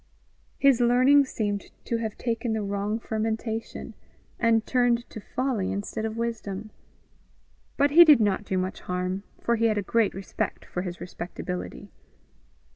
His learning seemed to have taken the wrong fermentation, and turned to folly instead of wisdom. But he did not do much harm, for he had a great respect for his respectability.